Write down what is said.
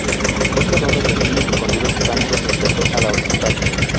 Otras ondas descienden con diversos ángulos respecto a la horizontal.